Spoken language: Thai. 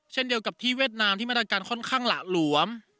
เช่นเดียวกับที่เวียดนามที่มาตรการค่อนข้างหละหลวม